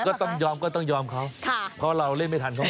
ก็ต้องยอมเขาค่ะเพราะว่าเราเล่นไม่ทันเขาเอง